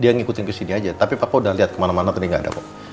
dia ngikutin kesini aja tapi papa udah liat kemana mana tadi gak ada pa